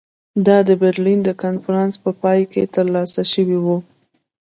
دا د برلین د کنفرانس په پای کې ترلاسه شوې وه.